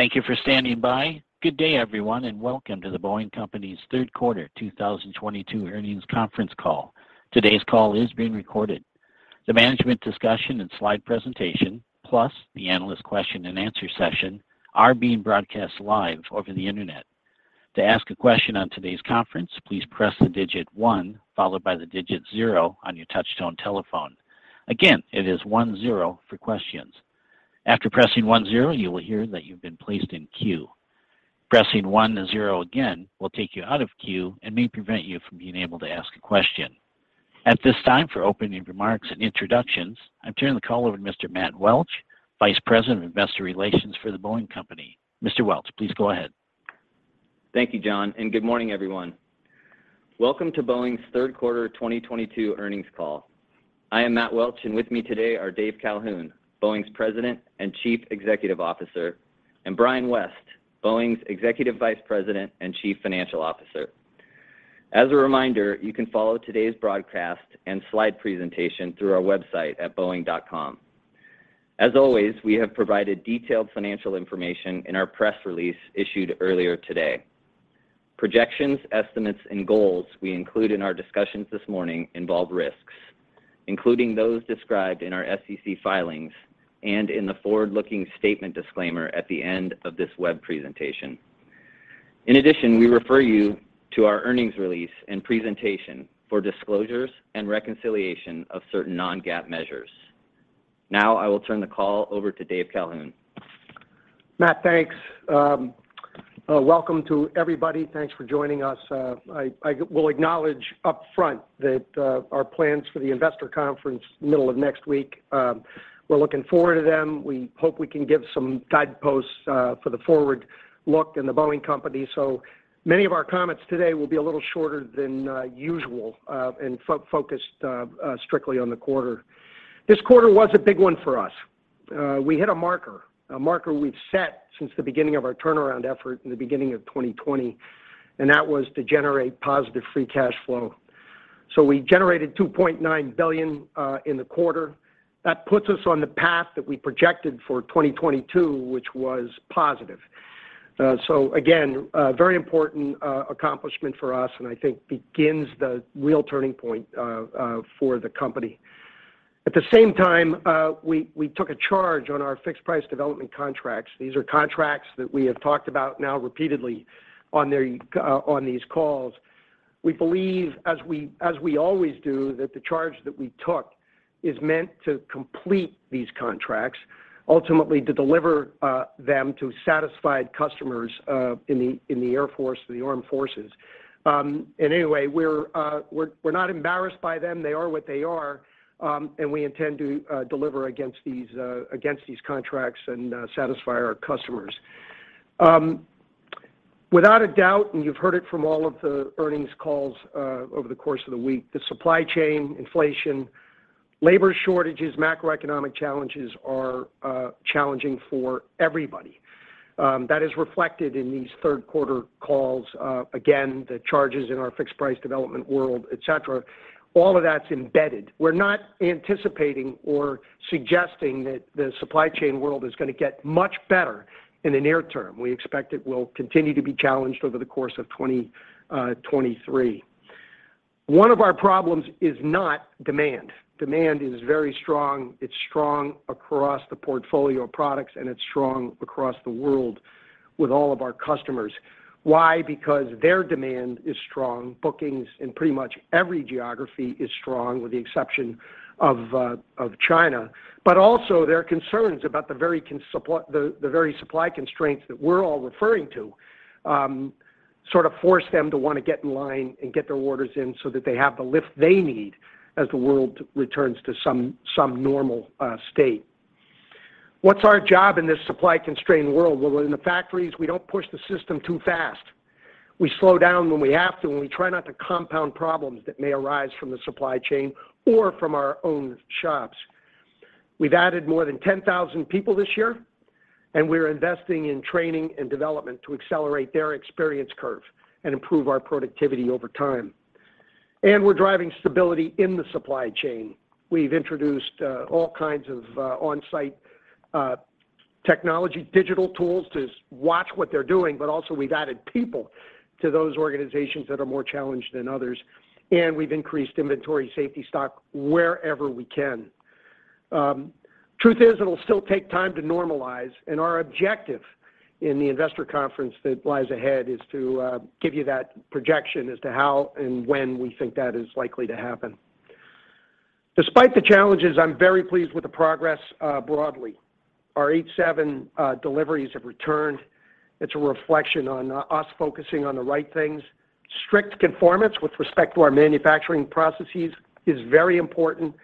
Thank you for standing by. Good day, everyone, and welcome to The Boeing Company's third quarter 2022 earnings conference call. Today's call is being recorded. The management discussion and slide presentation, plus the analyst question-and-answer session are being broadcast live over the Internet. To ask a question on today's conference, please press the digit one followed by the digit zero on your touch-tone telephone. Again, it is one zero for questions. After pressing one zero, you will hear that you've been placed in queue. Pressing one zero again will take you out of queue and may prevent you from being able to ask a question. At this time, for opening remarks and introductions, I turn the call over to Mr. Matt Welch, Vice President of Investor Relations for The Boeing Company. Mr. Welch, please go ahead. Thank you, John, and good morning, everyone. Welcome to Boeing's third quarter 2022 earnings call. I am Matt Welch, and with me today are Dave Calhoun, Boeing's President and Chief Executive Officer, and Brian West, Boeing's Executive Vice President and Chief Financial Officer. As a reminder, you can follow today's broadcast and slide presentation through our website at boeing.com. As always, we have provided detailed financial information in our press release issued earlier today. Projections, estimates, and goals we include in our discussions this morning involve risks, including those described in our SEC filings and in the forward-looking statement disclaimer at the end of this web presentation. In addition, we refer you to our earnings release and presentation for disclosures and reconciliation of certain non-GAAP measures. Now I will turn the call over to David Calhoun. Matt, thanks. Welcome to everybody. Thanks for joining us. I will acknowledge up front that our plans for the investor conference middle of next week, we're looking forward to them. We hope we can give some guideposts for the forward look in The Boeing Company. Many of our comments today will be a little shorter than usual and focused strictly on the quarter. This quarter was a big one for us. We hit a marker we've set since the beginning of our turnaround effort in the beginning of 2020, and that was to generate positive free cash flow. We generated $2.9 billion in the quarter. That puts us on the path that we projected for 2022, which was positive. Again, a very important accomplishment for us and I think begins the real turning point for the company. At the same time, we took a charge on our fixed-price development contracts. These are contracts that we have talked about now repeatedly on these calls. We believe, as we always do, that the charge that we took is meant to complete these contracts, ultimately to deliver them to satisfied customers in the Air Force or the armed forces. Anyway, we're not embarrassed by them. They are what they are, and we intend to deliver against these contracts and satisfy our customers. Without a doubt, you've heard it from all of the earnings calls over the course of the week. The supply chain, inflation, labor shortages, macroeconomic challenges are challenging for everybody. That is reflected in these third quarter calls. Again, the charges in our fixed price development world, et cetera, all of that's embedded. We're not anticipating or suggesting that the supply chain world is gonna get much better in the near term. We expect it will continue to be challenged over the course of 2023. One of our problems is not demand. Demand is very strong. It's strong across the portfolio of products, and it's strong across the world with all of our customers. Why? Because their demand is strong. Bookings in pretty much every geography is strong, with the exception of China. Also their concerns about the very supply constraints that we're all referring to, sort of force them to wanna get in line and get their orders in so that they have the lift they need as the world returns to some normal state. What's our job in this supply-constrained world? Well, in the factories, we don't push the system too fast. We slow down when we have to, and we try not to compound problems that may arise from the supply chain or from our own shops. We've added more than 10,000 people this year, and we're investing in training and development to accelerate their experience curve and improve our productivity over time. We're driving stability in the supply chain. We've introduced all kinds of on-site technology, digital tools to watch what they're doing, but also we've added people to those organizations that are more challenged than others, and we've increased inventory safety stock wherever we can. Truth is, it'll still take time to normalize, and our objective in the investor conference that lies ahead is to give you that projection as to how and when we think that is likely to happen. Despite the challenges, I'm very pleased with the progress broadly. Our 787 deliveries have returned. It's a reflection on us focusing on the right things. Strict conformance with respect to our manufacturing processes is very important.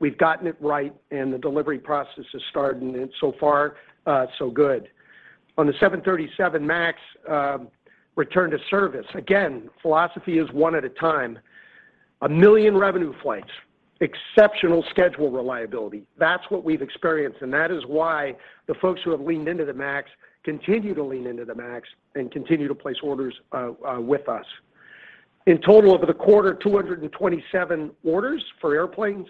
We've gotten it right, and the delivery process has started, and so far, so good. On the 737 MAX return to service, again, philosophy is one at a time. 1 million revenue flights, exceptional schedule reliability. That's what we've experienced, and that is why the folks who have leaned into the MAX continue to lean into the MAX and continue to place orders with us. In total, over the quarter, 227 orders for airplanes.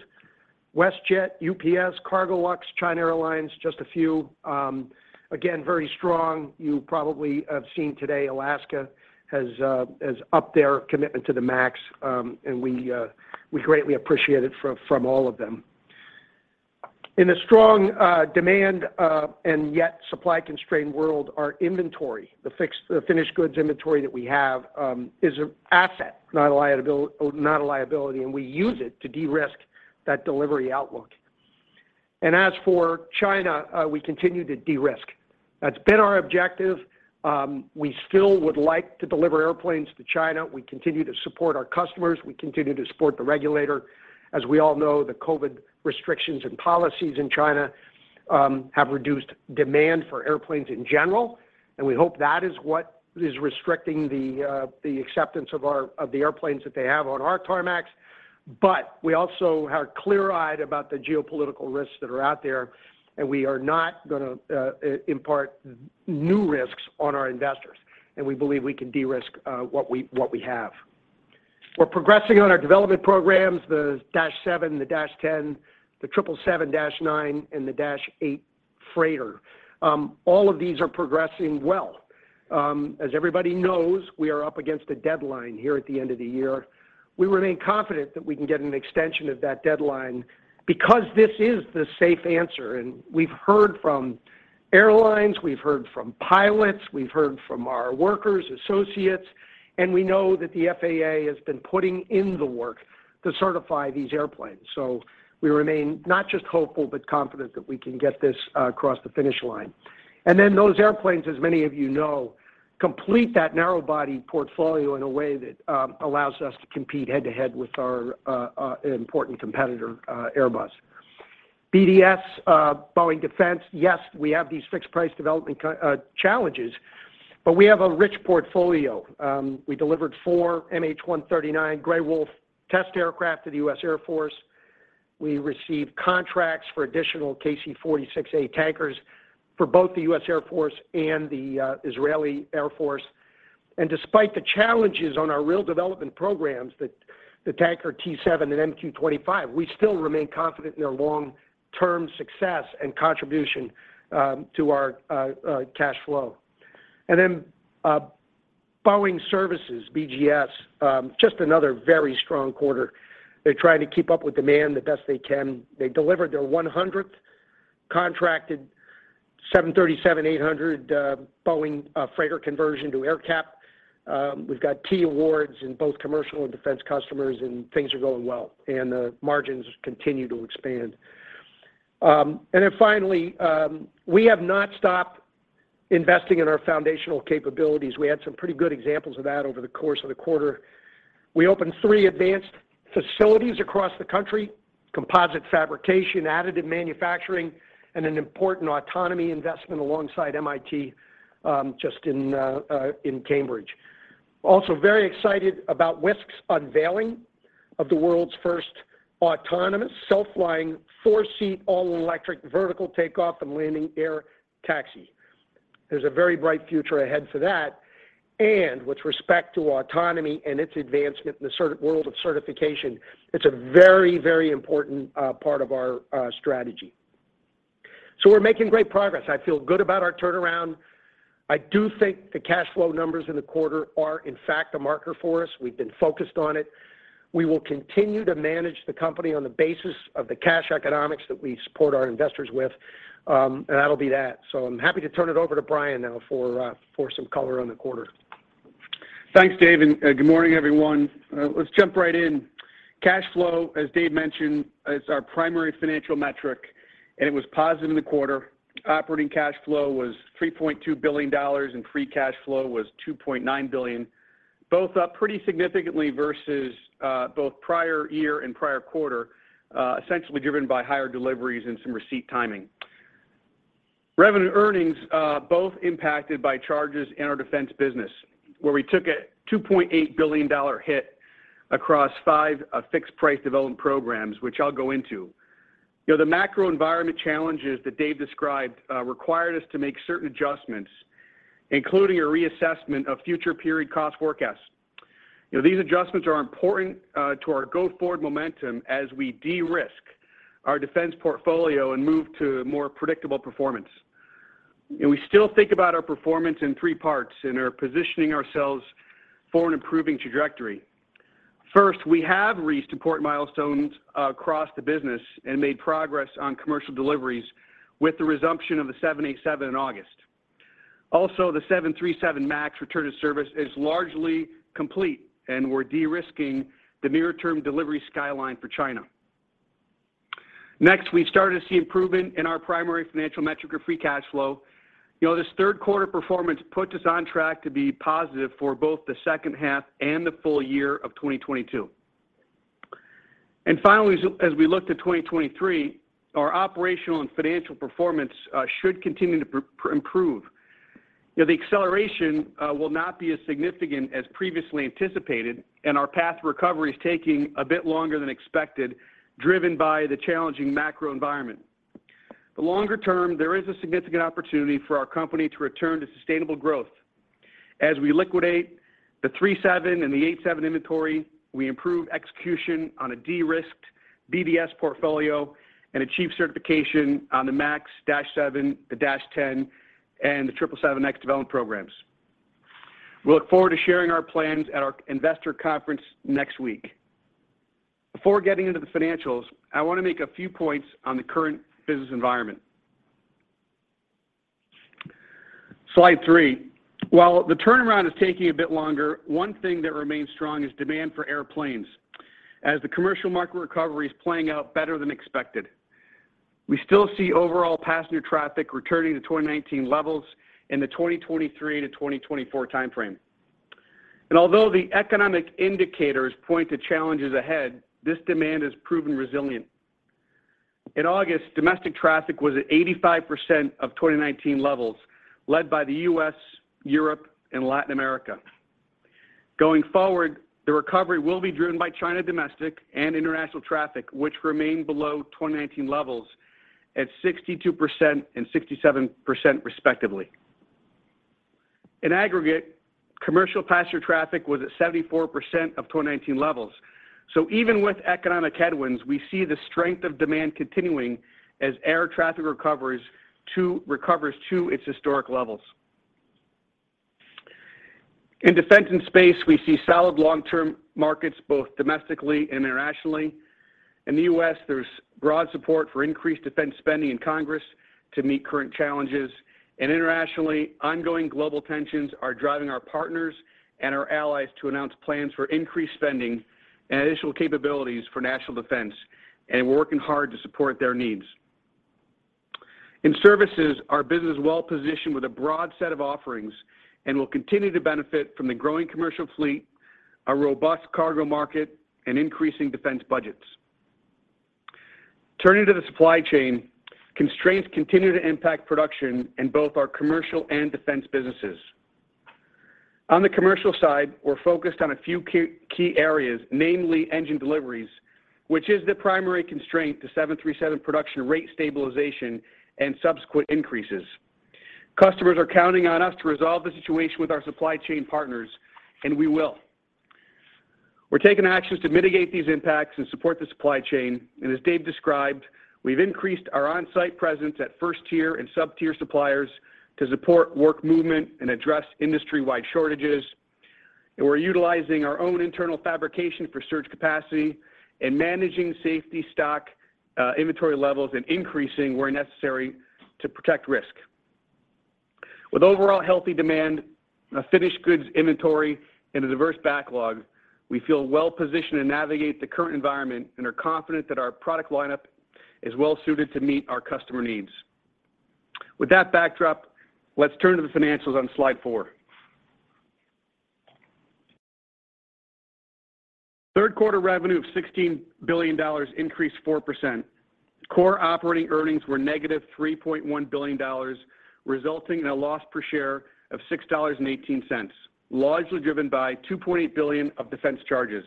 WestJet, UPS, Cargolux, China Airlines, just a few, again, very strong. You probably have seen today Alaska has upped their commitment to the MAX, and we greatly appreciate it from all of them. In a strong demand and yet supply-constrained world, our inventory, the finished goods inventory that we have, is a asset, not a liability, and we use it to de-risk that delivery outlook. As for China, we continue to de-risk. That's been our objective. We still would like to deliver airplanes to China. We continue to support our customers. We continue to support the regulator. As we all know, the COVID restrictions and policies in China have reduced demand for airplanes in general, and we hope that is what is restricting the acceptance of the airplanes that they have on our tarmacs. We also are clear-eyed about the geopolitical risks that are out there, and we are not gonna impart new risks on our investors, and we believe we can de-risk what we have. We're progressing on our development programs, the 737-7, the 737-10, the 777-9, and the 777-9 freighter. All of these are progressing well. As everybody knows, we are up against a deadline here at the end of the year. We remain confident that we can get an extension of that deadline because this is the safe answer, and we've heard from airlines, we've heard from pilots, we've heard from our workers, associates, and we know that the FAA has been putting in the work to certify these airplanes. We remain not just hopeful, but confident that we can get this across the finish line. Then those airplanes, as many of you know, complete that narrow-body portfolio in a way that allows us to compete head-to-head with our important competitor, Airbus. BDS, Boeing Defense, yes, we have these fixed-price development challenges, but we have a rich portfolio. We delivered four MH-139 Grey Wolf test aircraft to the U.S. Air Force. We received contracts for additional KC-46A tankers for both the U.S. Air Force and the Israeli Air Force. Despite the challenges on our key development programs, the Tanker T-7 and MQ-25, we still remain confident in their long-term success and contribution to our cash flow. Boeing Services, BGS, just another very strong quarter. They're trying to keep up with demand the best they can. They delivered their 100th contracted 737-800 Boeing freighter conversion to AerCap. We've got new awards in both commercial and defense customers, and things are going well, and the margins continue to expand. We have not stopped investing in our foundational capabilities. We had some pretty good examples of that over the course of the quarter. We opened three advanced facilities across the country, composite fabrication, additive manufacturing, and an important autonomy investment alongside MIT just in Cambridge. Also very excited about Wisk's unveiling of the world's first autonomous self-flying four-seat all-electric vertical takeoff and landing air taxi. There's a very bright future ahead for that. With respect to autonomy and its advancement in the certification world, it's a very, very important part of our strategy. We're making great progress. I feel good about our turnaround. I do think the cash flow numbers in the quarter are, in fact, a marker for us. We've been focused on it. We will continue to manage the company on the basis of the cash economics that we support our investors with, and that'll be that. I'm happy to turn it over to Brian now for some color on the quarter. Thanks, Dave, and good morning, everyone. Let's jump right in. Cash flow, as Dave mentioned, is our primary financial metric, and it was positive in the quarter. Operating cash flow was $3.2 billion, and free cash flow was $2.9 billion. Both up pretty significantly versus both prior year and prior quarter, essentially driven by higher deliveries and some receipt timing. Revenue earnings both impacted by charges in our defense business, where we took a $2.8 billion hit across five fixed-price development programs, which I'll go into. You know, the macro environment challenges that Dave described required us to make certain adjustments, including a reassessment of future period cost forecasts. You know, these adjustments are important to our go-forward momentum as we de-risk our defense portfolio and move to more predictable performance. We still think about our performance in three parts and are positioning ourselves for an improving trajectory. First, we have reached important milestones across the business and made progress on commercial deliveries with the resumption of the 787 in August. Also, the 737 MAX return to service is largely complete, and we're de-risking the near-term delivery skyline for China. Next, we've started to see improvement in our primary financial metric of free cash flow. You know, this third quarter performance puts us on track to be positive for both the second half and the full year of 2022. Finally, as we look to 2023, our operational and financial performance should continue to improve. You know, the acceleration will not be as significant as previously anticipated, and our path to recovery is taking a bit longer than expected, driven by the challenging macro environment. The longer term, there is a significant opportunity for our company to return to sustainable growth. As we liquidate the 737 and the 787 inventory, we improve execution on a de-risked BDS portfolio and achieve certification on the MAX 737-7, the 737-10, and the 777X development programs. We look forward to sharing our plans at our investor conference next week. Before getting into the financials, I wanna make a few points on the current business environment. Slide three. While the turnaround is taking a bit longer, one thing that remains strong is demand for airplanes as the commercial market recovery is playing out better than expected. We still see overall passenger traffic returning to 2019 levels in the 2023 to 2024 timeframe. Although the economic indicators point to challenges ahead, this demand has proven resilient. In August, domestic traffic was at 85% of 2019 levels led by the U.S., Europe, and Latin America. Going forward, the recovery will be driven by China domestic and international traffic, which remain below 2019 levels at 62% and 67% respectively. In aggregate, commercial passenger traffic was at 74% of 2019 levels. Even with economic headwinds, we see the strength of demand continuing as air traffic recovers to its historic levels. In defense and space, we see solid long-term markets, both domestically and internationally. In the U.S., there's broad support for increased defense spending in Congress to meet current challenges. Internationally, ongoing global tensions are driving our partners and our allies to announce plans for increased spending and additional capabilities for national defense, and we're working hard to support their needs. In services, our business is well-positioned with a broad set of offerings and will continue to benefit from the growing commercial fleet, a robust cargo market, and increasing defense budgets. Turning to the supply chain, constraints continue to impact production in both our commercial and defense businesses. On the commercial side, we're focused on a few key areas, namely engine deliveries, which is the primary constraint to 737 production rate stabilization and subsequent increases. Customers are counting on us to resolve the situation with our supply chain partners, and we will. We're taking actions to mitigate these impacts and support the supply chain, and as Dave described, we've increased our on-site presence at first-tier and sub-tier suppliers to support work movement and address industry-wide shortages. We're utilizing our own internal fabrication for surge capacity and managing safety stock, inventory levels and increasing where necessary to protect risk. With overall healthy demand, finished goods inventory, and a diverse backlog, we feel well-positioned to navigate the current environment and are confident that our product lineup is well-suited to meet our customer needs. With that backdrop, let's turn to the financials on slide four. Third quarter revenue of $16 billion increased 4%. Core operating earnings were negative $3.1 billion, resulting in a loss per share of $6.18, largely driven by $2.8 billion of defense charges.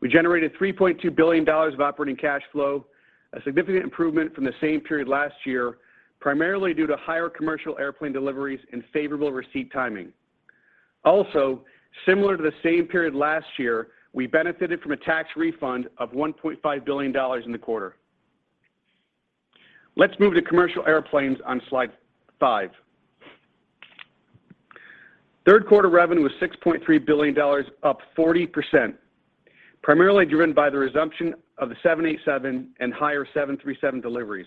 We generated $3.2 billion of operating cash flow, a significant improvement from the same period last year, primarily due to higher commercial airplane deliveries and favorable receipt timing. Also, similar to the same period last year, we benefited from a tax refund of $1.5 billion in the quarter. Let's move to commercial airplanes on slide five. Third quarter revenue was $6.3 billion, up 40%, primarily driven by the resumption of the 787 and higher 737 deliveries.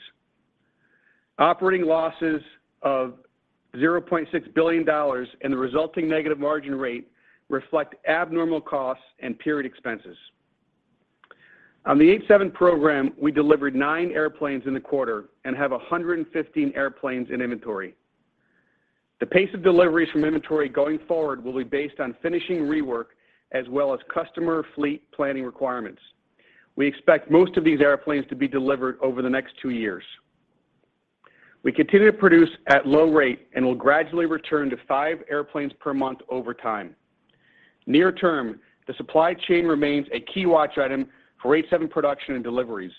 Operating losses of $0.6 billion and the resulting negative margin rate reflect abnormal costs and period expenses. On the 787 program, we delivered 9 airplanes in the quarter and have 115 airplanes in inventory. The pace of deliveries from inventory going forward will be based on finishing rework as well as customer fleet planning requirements. We expect most of these airplanes to be delivered over the next two years. We continue to produce at low rate and will gradually return to five airplanes per month over time. Near term, the supply chain remains a key watch item for 737 production and deliveries.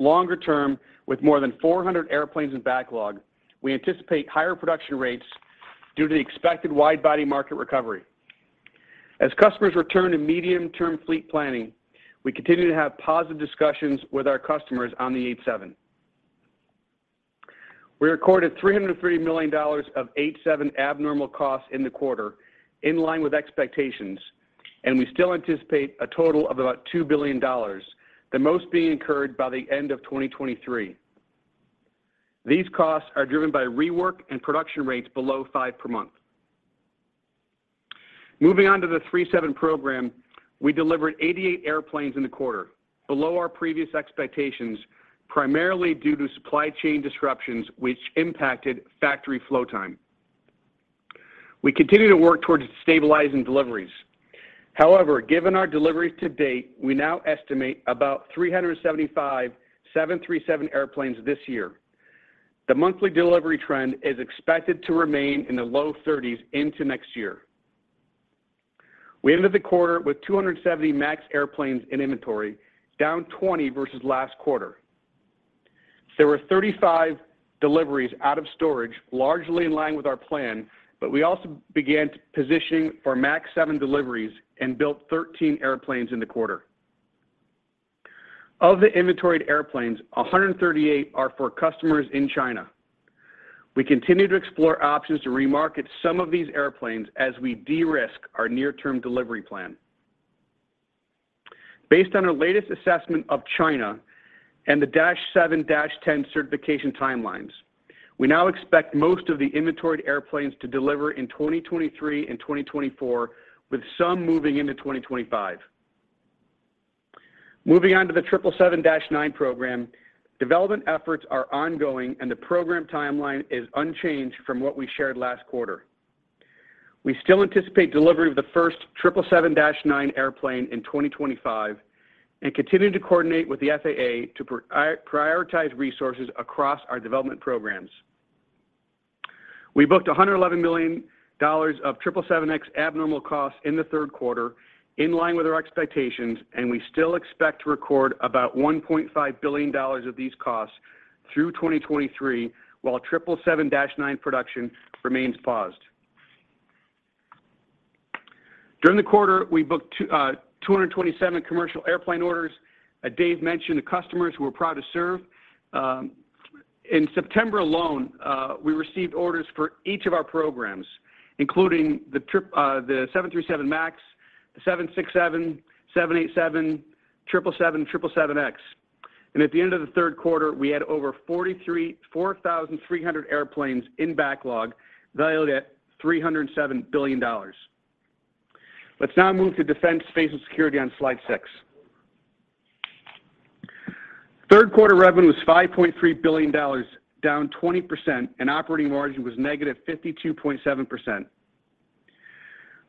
Longer term, with more than 400 airplanes in backlog, we anticipate higher production rates due to the expected wide-body market recovery. As customers return to medium-term fleet planning, we continue to have positive discussions with our customers on the 737. We recorded $303 million of 737 abnormal costs in the quarter, in line with expectations, and we still anticipate a total of about $2 billion, the most being incurred by the end of 2023. These costs are driven by rework and production rates below five per month. Moving on to the 737 program, we delivered 88 airplanes in the quarter, below our previous expectations, primarily due to supply chain disruptions which impacted factory flow time. We continue to work towards stabilizing deliveries. However, given our deliveries to date, we now estimate about 375 737 airplanes this year. The monthly delivery trend is expected to remain in the low 30s into next year. We ended the quarter with 270 MAX airplanes in inventory, down 20 versus last quarter. There were 35 deliveries out of storage, largely in line with our plan, but we also began positioning for 737 MAX 7 deliveries and built 13 airplanes in the quarter. Of the inventoried airplanes, 138 are for customers in China. We continue to explore options to remarket some of these airplanes as we de-risk our near-term delivery plan. Based on our latest assessment of China and the 737-7 and 737-10 certification timelines, we now expect most of the inventoried airplanes to deliver in 2023 and 2024, with some moving into 2025. Moving on to the 777-9 program, development efforts are ongoing, and the program timeline is unchanged from what we shared last quarter. We still anticipate delivery of the first 777-9 airplane in 2025 and continue to coordinate with the FAA to prioritize resources across our development programs. We booked $111 million of 777X abnormal costs in the third quarter in line with our expectations, and we still expect to record about $1.5 billion of these costs through 2023, while 777-9 production remains paused. During the quarter, we booked 227 commercial airplane orders. As Dave mentioned, the customers who we're proud to serve. In September alone, we received orders for each of our programs, including the 737 MAX, the 767, 787, 777, 777X. At the end of the third quarter, we had over 4,300 airplanes in backlog valued at $307 billion. Let's now move to defense, space, and security on slide six. Third quarter revenue was $5.3 billion, down 20%, and operating margin was -52.7%.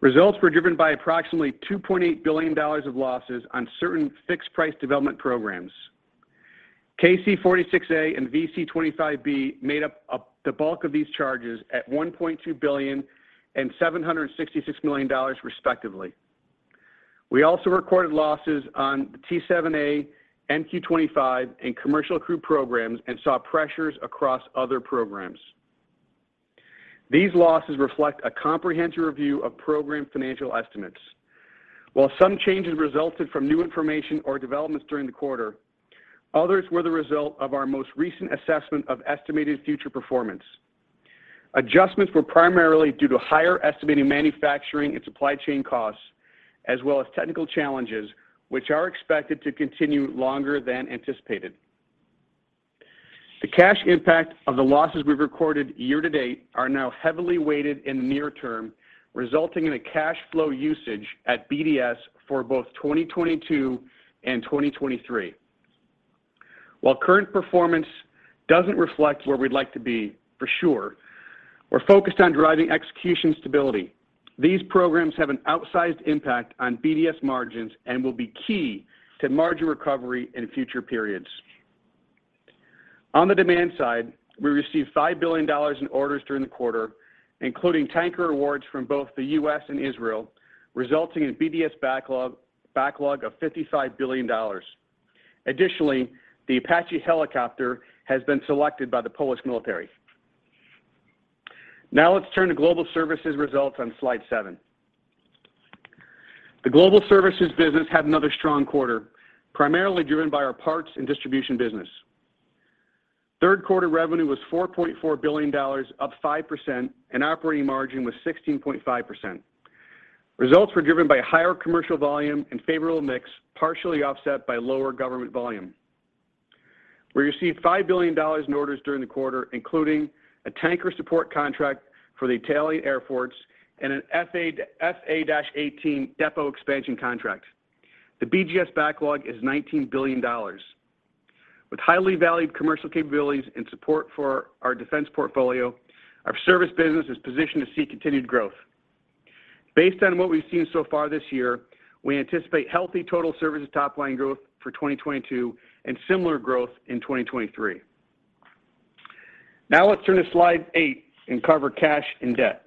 Results were driven by approximately $2.8 billion of losses on certain fixed-price development programs. KC-46A and VC-25B made up the bulk of these charges at $1.2 billion and $766 million respectively. We also recorded losses on the T-7A, MQ-25, and commercial crew programs and saw pressures across other programs. These losses reflect a comprehensive review of program financial estimates. While some changes resulted from new information or developments during the quarter, others were the result of our most recent assessment of estimated future performance. Adjustments were primarily due to higher estimated manufacturing and supply chain costs, as well as technical challenges which are expected to continue longer than anticipated. The cash impact of the losses we've recorded year to date are now heavily weighted in the near term, resulting in a cash flow usage at BDS for both 2022 and 2023. While current performance doesn't reflect where we'd like to be for sure, we're focused on driving execution stability. These programs have an outsized impact on BDS margins and will be key to margin recovery in future periods. On the demand side, we received $5 billion in orders during the quarter, including tanker awards from both the U.S. and Israel, resulting in BDS backlog of $55 billion. Additionally, the Apache helicopter has been selected by the Polish military. Now let's turn to global services results on slide seven. The global services business had another strong quarter, primarily driven by our parts and distribution business. Third quarter revenue was $4.4 billion, up 5%, and operating margin was 16.5%. Results were driven by higher commercial volume and favorable mix, partially offset by lower government volume. We received $5 billion in orders during the quarter, including a tanker support contract for the Italian Air Force and an F/A-18 depot expansion contract. The BGS backlog is $19 billion. With highly valued commercial capabilities and support for our defense portfolio, our service business is positioned to see continued growth. Based on what we've seen so far this year, we anticipate healthy total services top-line growth for 2022 and similar growth in 2023. Now let's turn to slide eight and cover cash and debt.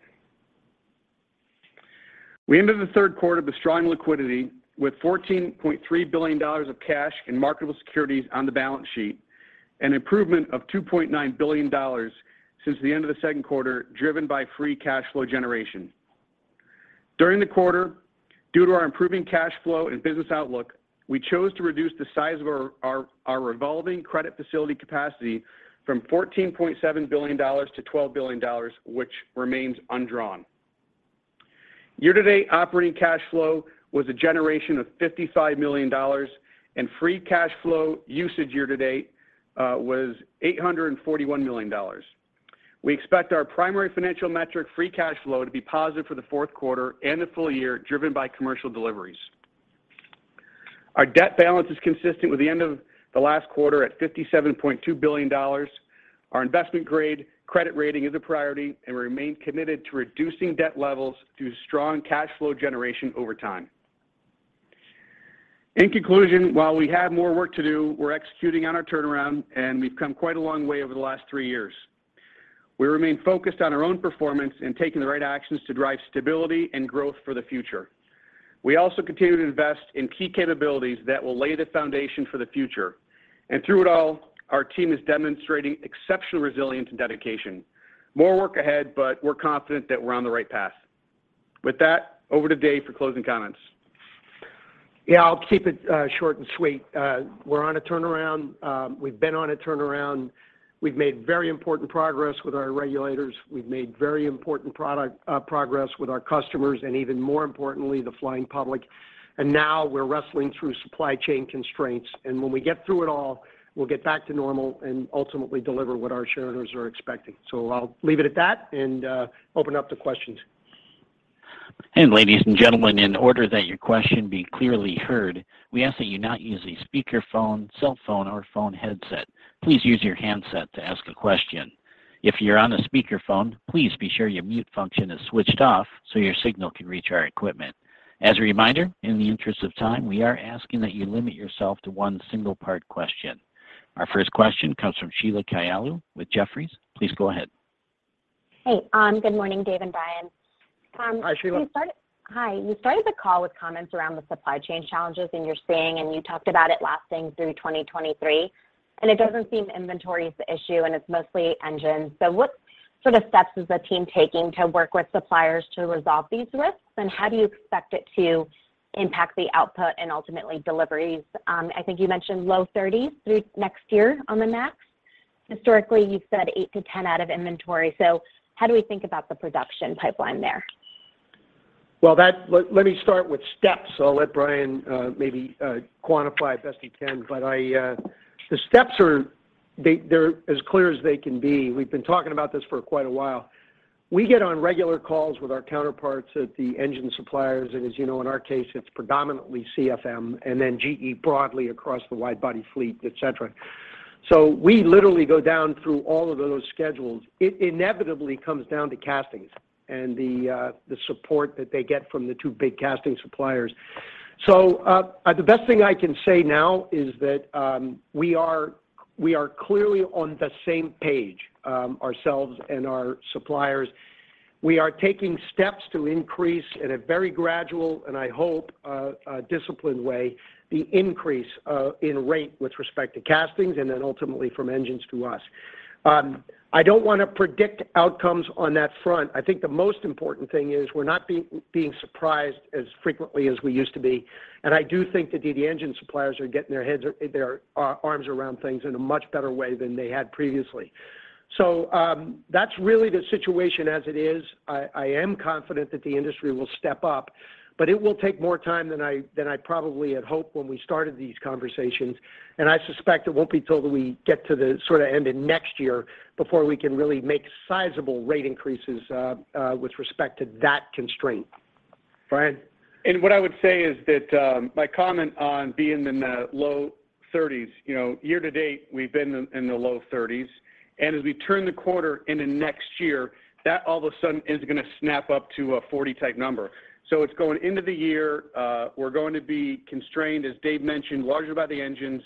We ended the third quarter with strong liquidity with $14.3 billion of cash and marketable securities on the balance sheet, an improvement of $2.9 billion since the end of the second quarter, driven by free cash flow generation. During the quarter, due to our improving cash flow and business outlook, we chose to reduce the size of our revolving credit facility capacity from $14.7 billion to $12 billion, which remains undrawn. Year to date operating cash flow was a generation of $55 million, and free cash flow usage year to date was $841 million. We expect our primary financial metric, free cash flow, to be positive for the fourth quarter and the full year driven by commercial deliveries. Our debt balance is consistent with the end of the last quarter at $57.2 billion. Our investment-grade credit rating is a priority, and we remain committed to reducing debt levels through strong cash flow generation over time. In conclusion, while we have more work to do, we're executing on our turnaround, and we've come quite a long way over the last three years. We remain focused on our own performance and taking the right actions to drive stability and growth for the future. We also continue to invest in key capabilities that will lay the foundation for the future. Through it all, our team is demonstrating exceptional resilience and dedication. More work ahead, but we're confident that we're on the right path. With that, over to Dave for closing comments. Yeah, I'll keep it short and sweet. We're on a turnaround, we've been on a turnaround. We've made very important progress with our regulators. We've made very important product progress with our customers, and even more importantly, the flying public. Now we're wrestling through supply chain constraints. When we get through it all, we'll get back to normal and ultimately deliver what our shareholders are expecting. I'll leave it at that and open up to questions. Ladies and gentlemen, in order that your question be clearly heard, we ask that you not use a speakerphone, cell phone, or phone headset. Please use your handset to ask a question. If you're on a speakerphone, please be sure your mute function is switched off so your signal can reach our equipment. As a reminder, in the interest of time, we are asking that you limit yourself to one single-part question. Our first question comes from Sheila Kahyaoglu with Jefferies. Please go ahead. Hey, good morning, Dave and Brian. Hi, Sheila. You started the call with comments around the supply chain challenges, and you're saying, and you talked about it lasting through 2023, and it doesn't seem inventory is the issue, and it's mostly engines. What sort of steps is the team taking to work with suppliers to resolve these risks? And how do you expect it to impact the output and ultimately deliveries? I think you mentioned low 30s through next year on the MAX. Historically, you've said eight to 10 out of inventory. How do we think about the production pipeline there? Well, let me start with steps. I'll let Brian maybe quantify it best he can. The steps are they're as clear as they can be. We've been talking about this for quite a while. We get on regular calls with our counterparts at the engine suppliers, and as you know, in our case, it's predominantly CFM and then GE broadly across the wide body fleet, et cetera. We literally go down through all of those schedules. It inevitably comes down to castings and the support that they get from the two big casting suppliers. The best thing I can say now is that we are clearly on the same page, ourselves and our suppliers. We are taking steps to increase at a very gradual, and I hope, a disciplined way, the increase in rate with respect to castings and then ultimately from engines to us. I don't want to predict outcomes on that front. I think the most important thing is we're not being surprised as frequently as we used to be. I do think that the engine suppliers are getting their arms around things in a much better way than they had previously. That's really the situation as it is. I am confident that the industry will step up, but it will take more time than I probably had hoped when we started these conversations. I suspect it won't be till we get to the sorta end of next year before we can really make sizable rate increases, with respect to that constraint. Brian? What I would say is that my comment on being in the low 30s, you know, year to date, we've been in the low 30s, and as we turn the corner into next year, that all of a sudden is gonna snap up to a 40-type number. It's going into the year, we're going to be constrained, as Dave mentioned, largely by the engines,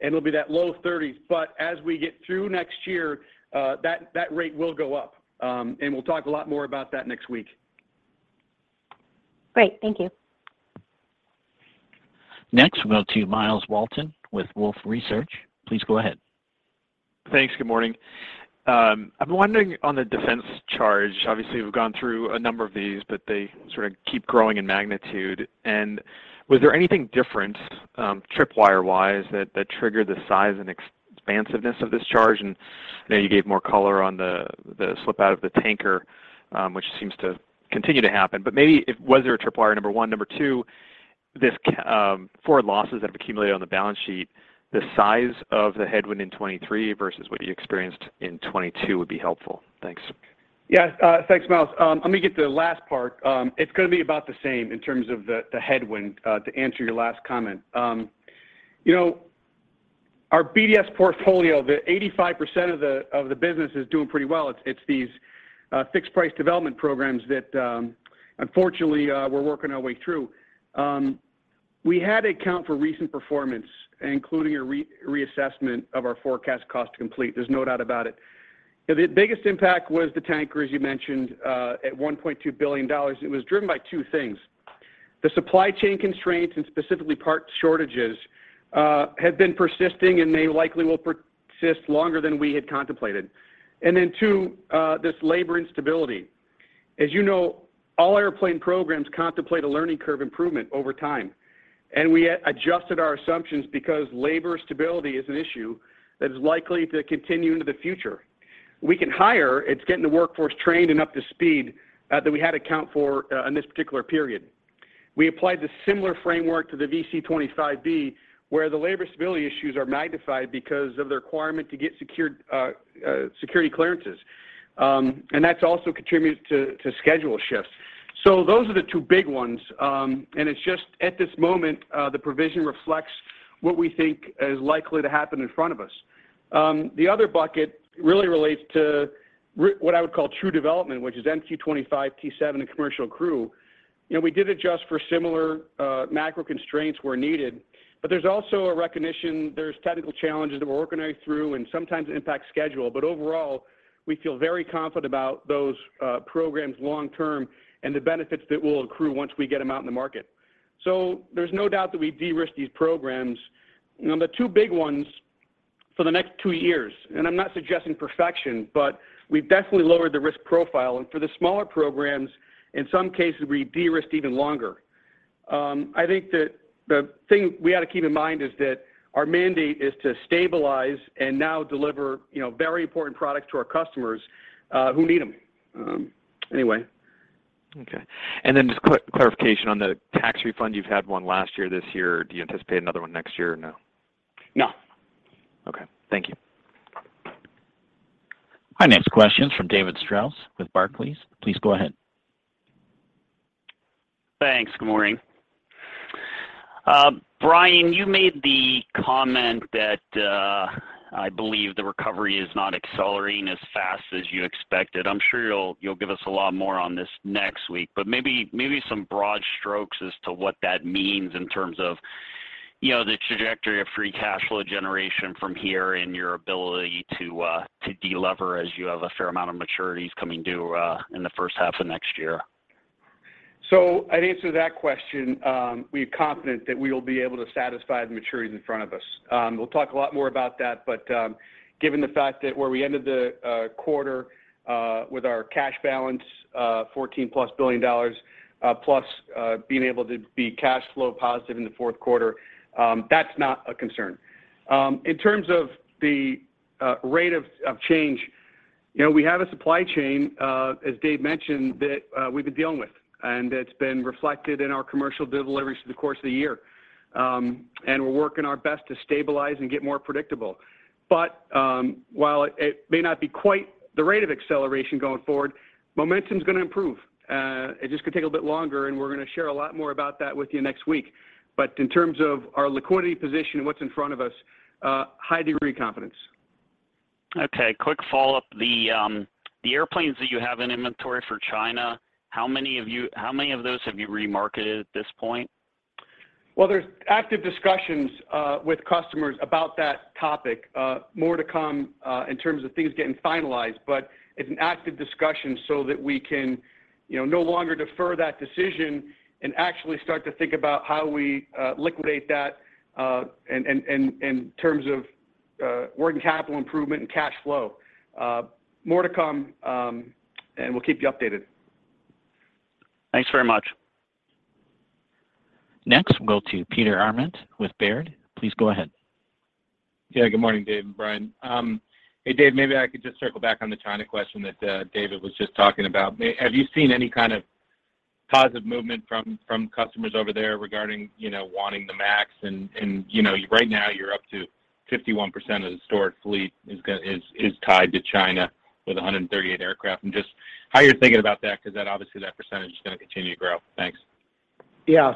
and it'll be that low 30s. As we get through next year, that rate will go up. We'll talk a lot more about that next week. Great. Thank you. Next, we'll go to Myles Walton with Wolfe Research. Please go ahead. Thanks. Good morning. I'm wondering on the defense charge, obviously, we've gone through a number of these, but they sort of keep growing in magnitude. Was there anything different, trip wire-wise that triggered the size and expansiveness of this charge? I know you gave more color on the slip out of the tanker, which seems to continue to happen. But maybe was there a trip wire, number one? Number two, forward losses that have accumulated on the balance sheet, the size of the headwind in 2023 versus what you experienced in 2022 would be helpful. Thanks. Yes. Thanks, Myles. Let me get the last part. It's gonna be about the same in terms of the headwind to answer your last comment. You know, our BDS portfolio, the 85% of the business is doing pretty well. It's these fixed price development programs that, unfortunately, we're working our way through. We had to account for recent performance, including a reassessment of our forecast cost to complete. There's no doubt about it. The biggest impact was the tanker, as you mentioned, at $1.2 billion. It was driven by two things. The supply chain constraints and specifically part shortages have been persisting and they likely will persist longer than we had contemplated. Then two, this labor instability. As you know, all airplane programs contemplate a learning curve improvement over time, and we adjusted our assumptions because labor stability is an issue that is likely to continue into the future. We can hire, it's getting the workforce trained and up to speed that we had to account for in this particular period. We applied the similar framework to the VC-25B, where the labor stability issues are magnified because of the requirement to get secured security clearances. And that's also contributed to schedule shifts. Those are the two big ones, and it's just at this moment, the provision reflects what we think is likely to happen in front of us. The other bucket really relates to what I would call true development, which is MQ-25, T-7, and Commercial Crew. You know, we did adjust for similar, macro constraints where needed, but there's also a recognition there's technical challenges that we're working our way through and sometimes it impacts schedule. Overall, we feel very confident about those, programs long term and the benefits that will accrue once we get them out in the market. There's no doubt that we de-risked these programs. You know, the two big ones for the next two years, and I'm not suggesting perfection, but we've definitely lowered the risk profile. For the smaller programs, in some cases, we de-risked even longer. I think that the thing we ought to keep in mind is that our mandate is to stabilize and now deliver, you know, very important products to our customers, who need them. Anyway. Okay. Just clarification on the tax refund. You've had one last year, this year. Do you anticipate another one next year or no? No. Okay. Thank you. Our next question is from David Strauss with Barclays. Please go ahead. Thanks. Good morning. Brian, you made the comment that I believe the recovery is not accelerating as fast as you expected. I'm sure you'll give us a lot more on this next week, but maybe some broad strokes as to what that means in terms of, you know, the trajectory of free cash flow generation from here and your ability to de-lever as you have a fair amount of maturities coming due in the first half of next year. I'd answer that question, we're confident that we will be able to satisfy the maturities in front of us. We'll talk a lot more about that, but given the fact that where we ended the quarter with our cash balance $14+ billion, plus being able to be cash flow positive in the fourth quarter, that's not a concern. In terms of the rate of change, you know, we have a supply chain, as Dave mentioned, that we've been dealing with, and it's been reflected in our commercial deliveries through the course of the year. We're working our best to stabilize and get more predictable. While it may not be quite the rate of acceleration going forward, momentum's gonna improve. It's just gonna take a bit longer, and we're gonna share a lot more about that with you next week. In terms of our liquidity position and what's in front of us, a high degree of confidence. Okay. Quick follow-up. The airplanes that you have in inventory for China, how many of those have you remarketed at this point? Well, there's active discussions with customers about that topic. More to come in terms of things getting finalized, it's an active discussion so that we can, you know, no longer defer that decision and actually start to think about how we liquidate that, and in terms of working capital improvement and cash flow. More to come, and we'll keep you updated. Thanks very much. Next, we'll go to Peter Arment with Baird. Please go ahead. Yeah. Good morning, Dave and Brian. Hey, Dave, maybe I could just circle back on the China question that David was just talking about. Have you seen any kind of positive movement from customers over there regarding, you know, wanting the Max and, you know, right now you're up to 51% of the historic fleet is tied to China with 138 aircraft, and just how you're thinking about that because that obviously that percentage is gonna continue to grow? Thanks. Yeah.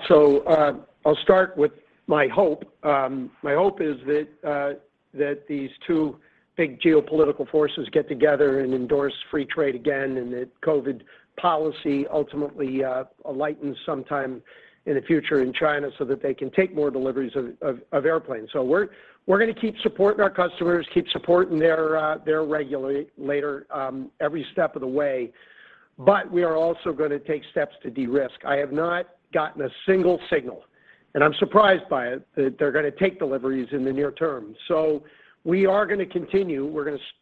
I'll start with my hope. My hope is that these two big geopolitical forces get together and endorse free trade again, and the COVID policy ultimately lightens sometime in the future in China so that they can take more deliveries of airplanes. We're gonna keep supporting our customers, keep supporting their regulator every step of the way, but we are also gonna take steps to de-risk. I have not gotten a single signal, and I'm surprised by it, that they're gonna take deliveries in the near term. We are gonna continue.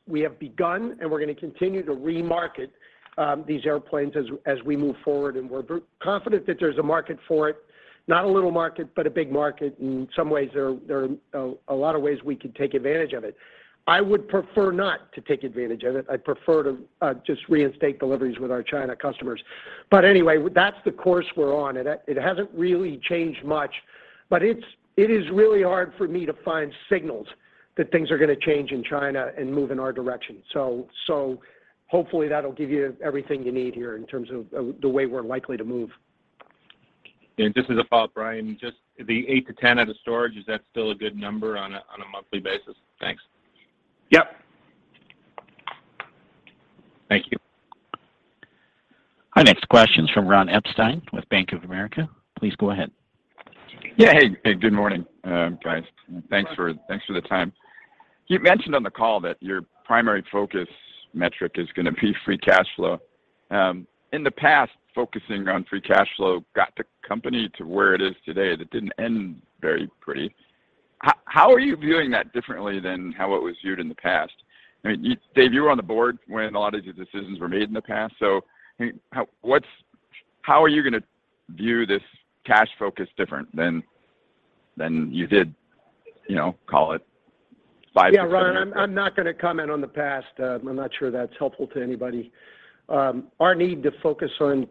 We have begun, and we're gonna continue to remarket these airplanes as we move forward, and we're confident that there's a market for it. Not a little market, but a big market. In some ways, there are a lot of ways we could take advantage of it. I would prefer not to take advantage of it. I'd prefer to just reinstate deliveries with our China customers. Anyway, that's the course we're on, and it hasn't really changed much, but it's really hard for me to find signals that things are gonna change in China and move in our direction. Hopefully that'll give you everything you need here in terms of the way we're likely to move. Just as a follow-up, Brian, just the eight to 10 out of storage, is that still a good number on a, on a monthly basis? Thanks. Yep. Thank you. Our next question is from Ron Epstein with Bank of America. Please go ahead. Yeah. Hey. Hey, good morning, guys. Hi. Thanks for the time. You mentioned on the call that your primary focus metric is gonna be free cash flow. In the past, focusing on free cash flow got the company to where it is today. That didn't end very pretty. How are you viewing that differently than how it was viewed in the past? I mean, Dave, you were on the board when a lot of these decisions were made in the past. I mean, how are you gonna view this cash focus different than you did, you know, call it five to 10 years ago? Yeah. Ron, I'm not gonna comment on the past. I'm not sure that's helpful to anybody. Our need to focus on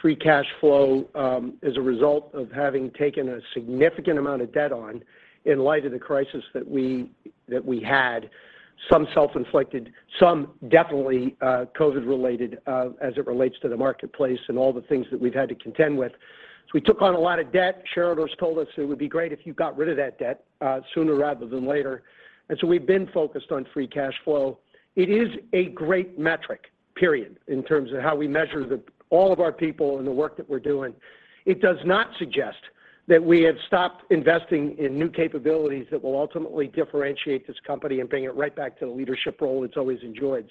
free cash flow as a result of having taken a significant amount of debt on in light of the crisis that we had some self-inflicted, some definitely COVID related as it relates to the marketplace and all the things that we've had to contend with. We took on a lot of debt. Shareholders told us it would be great if you got rid of that debt sooner rather than later. We've been focused on free cash flow. It is a great metric, period, in terms of how we measure all of our people and the work that we're doing. It does not suggest that we have stopped investing in new capabilities that will ultimately differentiate this company and bring it right back to the leadership role it's always enjoyed.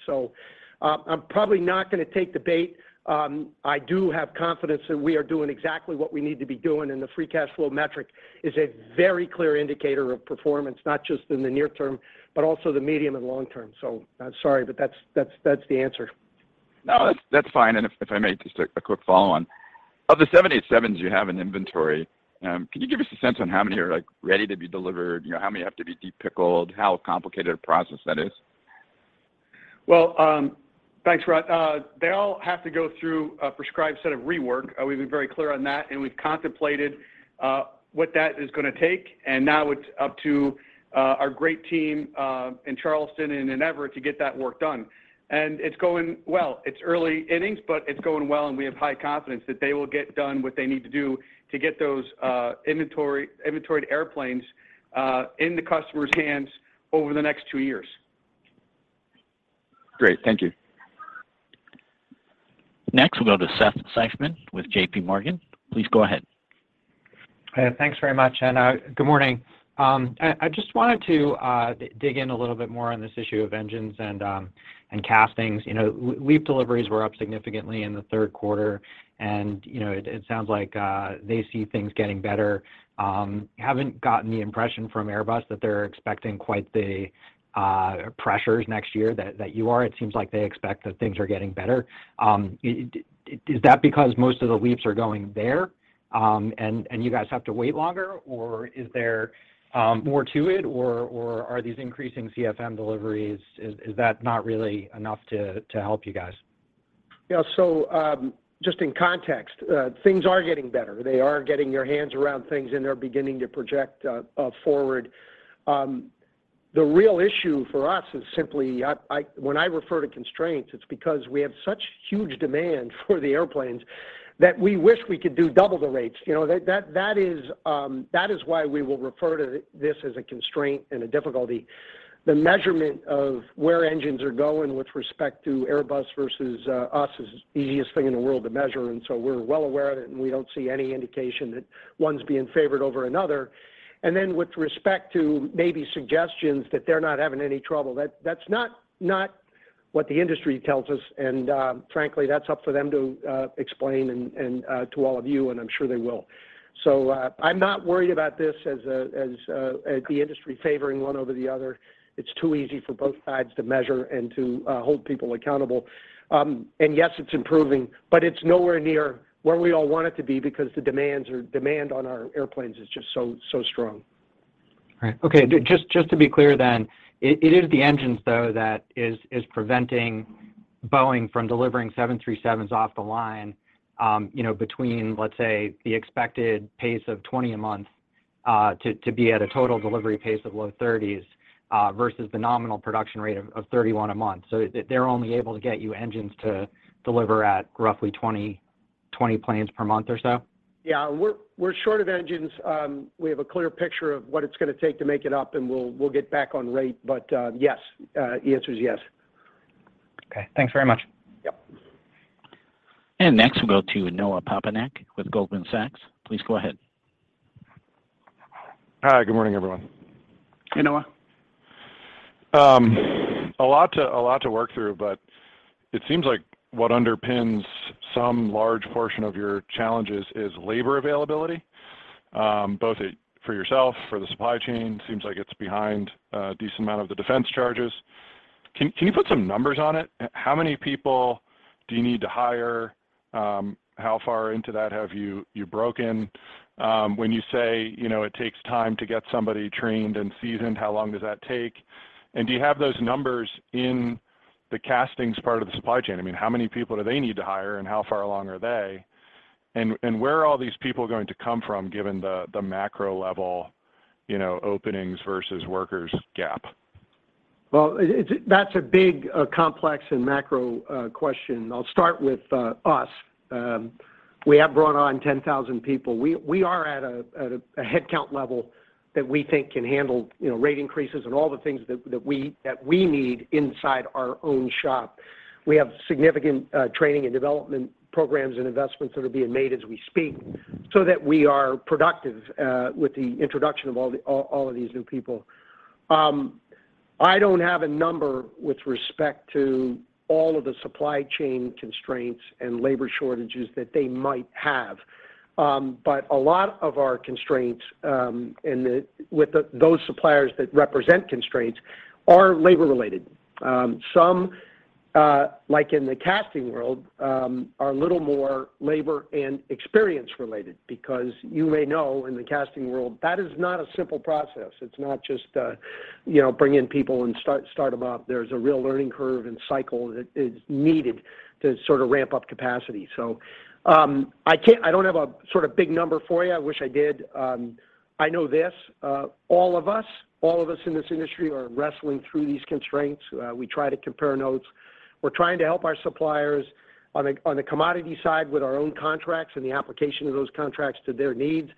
I'm probably not gonna take the bait. I do have confidence that we are doing exactly what we need to be doing, and the free cash flow metric is a very clear indicator of performance, not just in the near term, but also the medium and long term. I'm sorry, but that's the answer. No, that's fine. If I may just a quick follow-on. Of the 787s you have in inventory, can you give us a sense on how many are, like, ready to be delivered? You know, how many have to be de-pickled? How complicated a process that is? Well, thanks, Ron. They all have to go through a prescribed set of rework. We've been very clear on that, and we've contemplated what that is gonna take, and now it's up to our great team in Charleston and in Everett to get that work done. It's going well. It's early innings, but it's going well, and we have high confidence that they will get done what they need to do to get those inventoried airplanes in the customers' hands over the next two years. Great. Thank you. Next, we'll go to Seth Seifman with JPMorgan. Please go ahead. Thanks very much. Good morning. I just wanted to dig in a little bit more on this issue of engines and castings. You know, LEAP deliveries were up significantly in the third quarter, and you know, it sounds like they see things getting better. Haven't gotten the impression from Airbus that they're expecting quite the pressures next year that you are. It seems like they expect that things are getting better. Does that because most of the LEAPS are going there, and you guys have to wait longer? Or is there more to it, or are these increasing CFM deliveries not really enough to help you guys? Yeah. Just in context, things are getting better. They are getting their hands around things, and they're beginning to project forward. The real issue for us is simply when I refer to constraints, it's because we have such huge demand for the airplanes that we wish we could do double the rates. You know, that is why we will refer to this as a constraint and a difficulty. The measurement of where engines are going with respect to Airbus versus us is the easiest thing in the world to measure, and we're well aware of it, and we don't see any indication that one's being favored over another. With respect to maybe suggestions that they're not having any trouble, that's not what the industry tells us, and frankly, that's up for them to explain and to all of you, and I'm sure they will. I'm not worried about this as the industry favoring one over the other. It's too easy for both sides to measure and to hold people accountable. Yes, it's improving, but it's nowhere near where we all want it to be because the demand on our airplanes is just so strong. Right. Okay. Just to be clear, it is the engines, though, that is preventing Boeing from delivering 737s off the line, you know, between, let's say, the expected pace of 20 a month to be at a total delivery pace of low 30s versus the nominal production rate of 31 a month. They're only able to get the engines to deliver at roughly 20 planes per month or so? Yeah. We're short of engines. We have a clear picture of what it's gonna take to make it up, and we'll get back on rate. Yes, the answer is yes. Okay. Thanks very much. Yep. Next we'll go to Noah Poponak with Goldman Sachs. Please go ahead. Hi. Good morning, everyone. Hey, Noah. A lot to work through, but it seems like what underpins some large portion of your challenges is labor availability, both for yourself, for the supply chain. Seems like it's behind a decent amount of the defense charges. Can you put some numbers on it? How many people do you need to hire? How far into that have you broken? When you say, you know, it takes time to get somebody trained and seasoned, how long does that take? And do you have those numbers in the castings part of the supply chain? I mean, how many people do they need to hire, and how far along are they? And where are all these people going to come from, given the macro level, you know, openings versus workers gap? Well, that's a big, complex and macro question. I'll start with us. We have brought on 10,000 people. We are at a headcount level that we think can handle, you know, rate increases and all the things that we need inside our own shop. We have significant training and development programs and investments that are being made as we speak so that we are productive with the introduction of all of these new people. I don't have a number with respect to all of the supply chain constraints and labor shortages that they might have. A lot of our constraints with those suppliers that represent constraints are labor related. Some, like in the casting world, are a little more labor and experience related because you may know in the casting world that is not a simple process. It's not just, you know, bring in people and start them up. There's a real learning curve and cycle that is needed to sort of ramp up capacity. I don't have a sort of big number for you. I wish I did. I know this, all of us in this industry are wrestling through these constraints. We try to compare notes. We're trying to help our suppliers on the commodity side with our own contracts and the application of those contracts to their needs.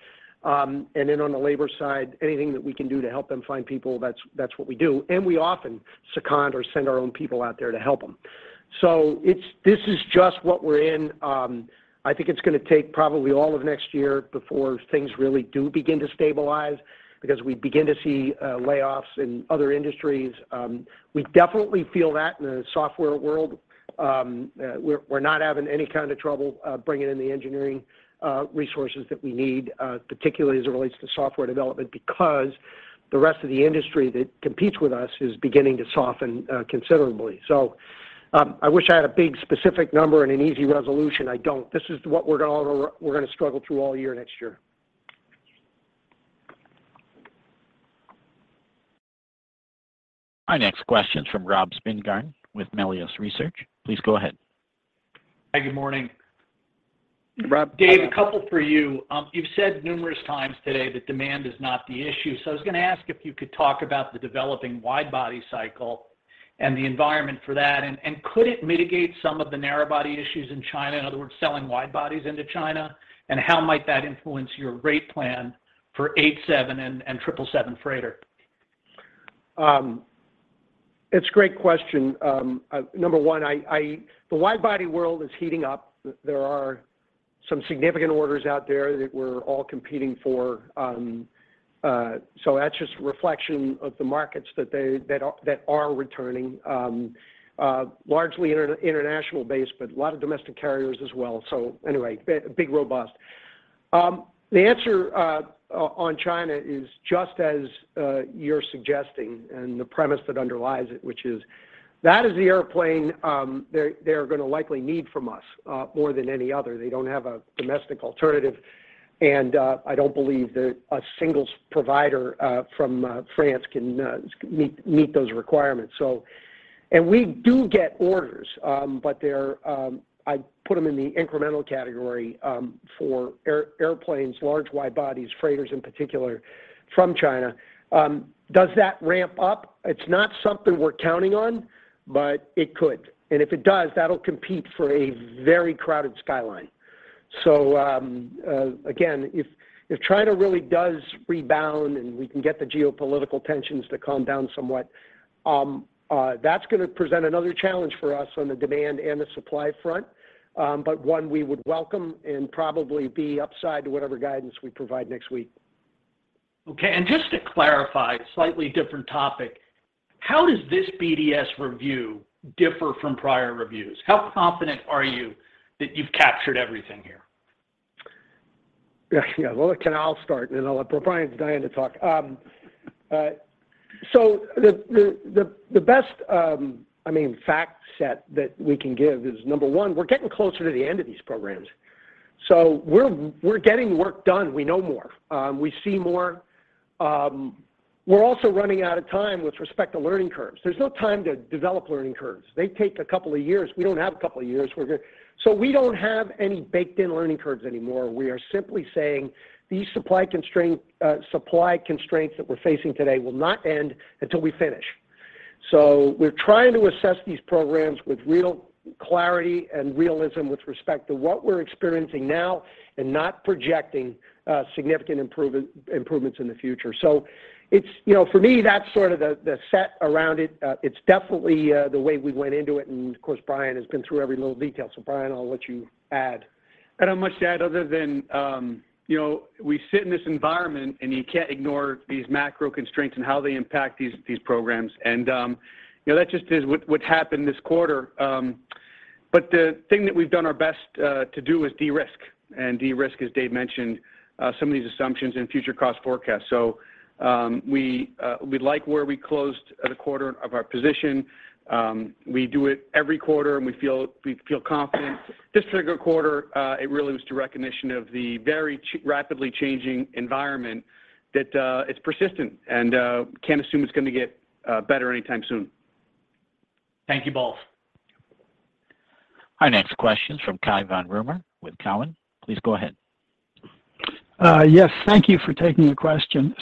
On the labor side, anything that we can do to help them find people, that's what we do. We often second or send our own people out there to help them. This is just what we're in. I think it's gonna take probably all of next year before things really do begin to stabilize because we begin to see layoffs in other industries. We definitely feel that in the software world. We're not having any kind of trouble bringing in the engineering resources that we need, particularly as it relates to software development because the rest of the industry that competes with us is beginning to soften considerably. I wish I had a big specific number and an easy resolution. I don't. This is what we're gonna struggle through all year next year. Our next question is from Rob Spingarn with Melius Research. Please go ahead. Hi, good morning. Rob, go ahead. Dave, a couple for you. You've said numerous times today that demand is not the issue. I was gonna ask if you could talk about the developing wide body cycle and the environment for that. Could it mitigate some of the narrow body issues in China, in other words, selling wide bodies into China, and how might that influence your rate plan for 787 and 777 freighter? It's a great question. Number one, the wide body world is heating up. There are some significant orders out there that we're all competing for. That's just a reflection of the markets that are returning. Largely international based, but a lot of domestic carriers as well. Anyway, big robust. The answer on China is just as you're suggesting and the premise that underlies it, which is that is the airplane they're gonna likely need from us more than any other. They don't have a domestic alternative, and I don't believe that a single provider from France can meet those requirements. We do get orders, but they're, I put them in the incremental category, for airplanes, large wide bodies, freighters in particular from China. Does that ramp up? It's not something we're counting on, but it could. If it does, that'll compete for a very crowded skyline. Again, if China really does rebound, and we can get the geopolitical tensions to calm down somewhat, that's gonna present another challenge for us on the demand and the supply front, but one we would welcome and probably be upside to whatever guidance we provide next week. Okay. Just to clarify, slightly different topic, how does this BDS review differ from prior reviews? How confident are you that you've captured everything here? Yeah. Well, look, I'll start, and then I'll let Brian. Brian's dying to talk. I mean, the best fact set that we can give is, number one, we're getting closer to the end of these programs. We're getting work done. We know more. We see more. We're also running out of time with respect to learning curves. There's no time to develop learning curves. They take a couple of years. We don't have a couple of years. We don't have any baked in learning curves anymore. We are simply saying these supply constraints that we're facing today will not end until we finish. We're trying to assess these programs with real clarity and realism with respect to what we're experiencing now and not projecting significant improvements in the future. It's, you know, for me, that's sort of the set around it. It's definitely the way we went into it and, of course, Brian has been through every little detail. Brian, I'll let you add. I don't have much to add other than you know we sit in this environment and you can't ignore these macro constraints and how they impact these programs. That just is what happened this quarter. The thing that we've done our best to do is de-risk as Dave mentioned some of these assumptions in future cost forecasts. We like where we closed the quarter of our position. We do it every quarter and we feel confident. This particular quarter it really was the recognition of the very rapidly changing environment that is persistent and can't assume it's gonna get better anytime soon. Thank you both. Our next question is from Cai von Rumohr with Cowen. Please go ahead. Yes. Thank you for taking the question.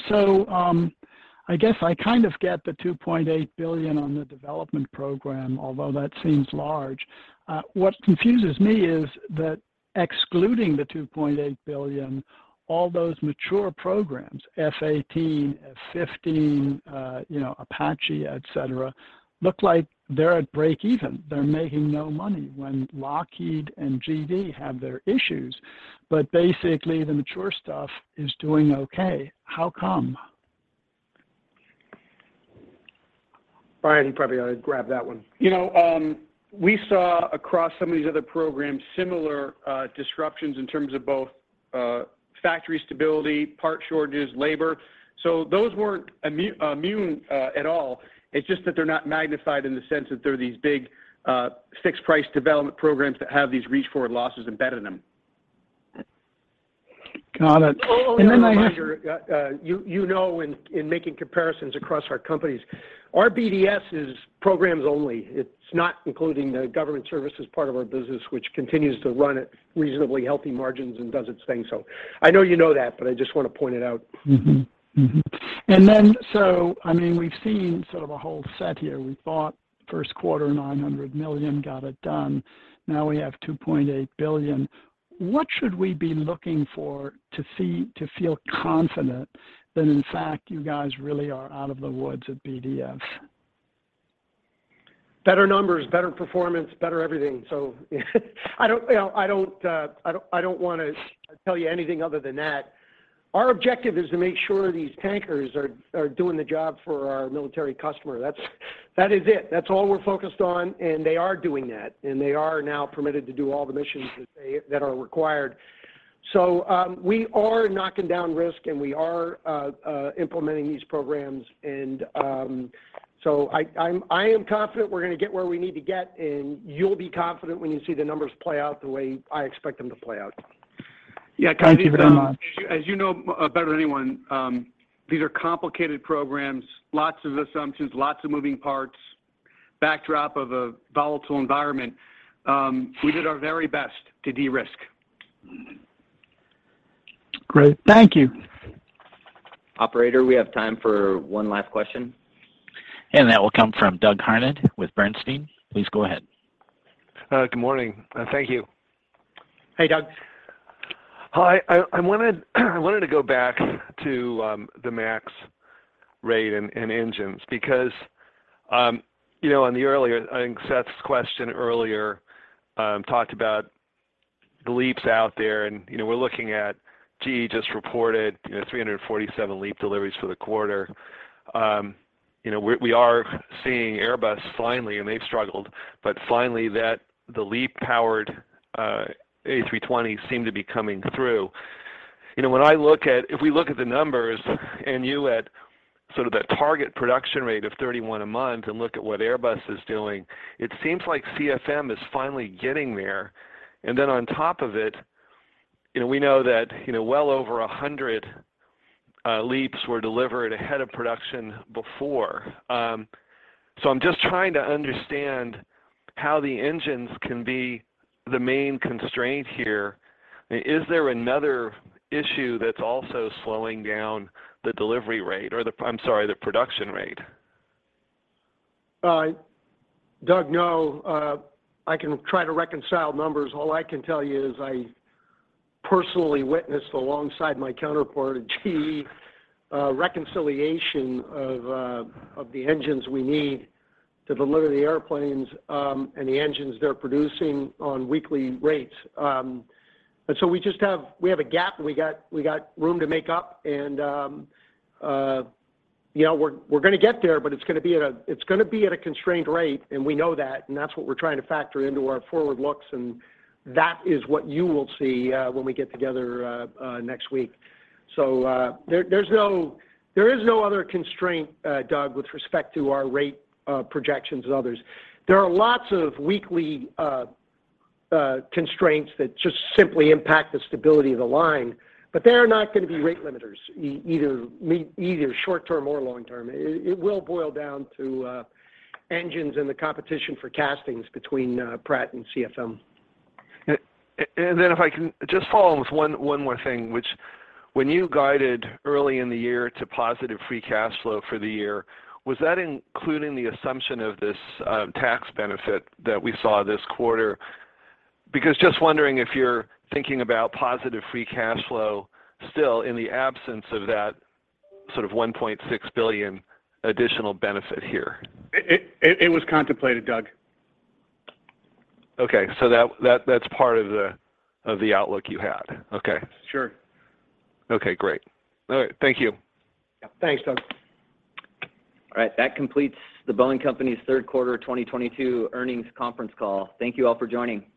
I guess I kind of get the $2.8 billion on the development program, although that seems large. What confuses me is that excluding the $2.8 billion, all those mature programs, F-18, F-15, you know, Apache, et cetera, look like they're at breakeven. They're making no money when Lockheed and GD have their issues. Basically, the mature stuff is doing okay. How come? Brian, you probably ought to grab that one. You know, we saw across some of these other programs similar disruptions in terms of both- Factory stability, part shortages, labor. Those weren't immune at all. It's just that they're not magnified in the sense that they're these big fixed price development programs that have these forward losses embedded in them. Got it. I have- Only a reminder, you know, in making comparisons across our companies, our BDS's programs only. It's not including the government services part of our business, which continues to run at reasonably healthy margins and does its thing. I know you know that, but I just want to point it out. I mean, we've seen sort of a whole set here. We thought first quarter, $900 million, got it done. Now we have $2.8 billion. What should we be looking for to feel confident that in fact you guys really are out of the woods with BDS? Better numbers, better performance, better everything. I don't want to tell you anything other than that. Our objective is to make sure these tankers are doing the job for our military customer. That's it. That's all we're focused on, and they are doing that, and they are now permitted to do all the missions that are required. We are knocking down risk, and we are implementing these programs, and I am confident we're gonna get where we need to get, and you'll be confident when you see the numbers play out the way I expect them to play out. Yeah. Thank you very much. As you know, better than anyone, these are complicated programs, lots of assumptions, lots of moving parts, backdrop of a volatile environment. We did our very best to de-risk. Great. Thank you. Operator, we have time for one last question. That will come from Doug Harned with Bernstein. Please go ahead. Good morning, and thank you. Hey, Doug. Hi. I wanted to go back to the MAX rate and engines because you know, on the earlier, I think Seth's question earlier talked about the LEAPs out there, and you know, we're looking at GE just reported 347 LEAP deliveries for the quarter. You know, we are seeing Airbus finally, and they've struggled, but finally, the LEAP-powered A320 seem to be coming through. You know, if we look at the numbers and look at sort of that target production rate of 31 a month and look at what Airbus is doing, it seems like CFM is finally getting there. On top of it, you know, we know that well over 100 LEAPs were delivered ahead of production before. I'm just trying to understand how the engines can be the main constraint here. I mean, is there another issue that's also slowing down the production rate? Doug, no. I can try to reconcile numbers. All I can tell you is I personally witnessed, alongside my counterpart at GE, a reconciliation of the engines we need to deliver the airplanes, and the engines they're producing on weekly rates. We have a gap, and we got room to make up, you know, we're gonna get there, but it's gonna be at a constrained rate, and we know that, and that's what we're trying to factor into our forward looks, and that is what you will see when we get together next week. There is no other constraint, Doug, with respect to our rate projections and others. There are lots of weekly constraints that just simply impact the stability of the line, but they are not gonna be rate limiters either short term or long term. It will boil down to engines and the competition for castings between Pratt and CFM. Then if I can just follow with one more thing, which when you guided early in the year to positive free cash flow for the year, was that including the assumption of this tax benefit that we saw this quarter? Just wondering if you're thinking about positive free cash flow still in the absence of that sort of $1.6 billion additional benefit here. It was contemplated, Doug. Okay. That's part of the outlook you had? Okay. Sure. Okay, great. All right. Thank you. Yeah. Thanks, Doug. All right. That completes The Boeing Company's third quarter 2022 earnings conference call. Thank you all for joining.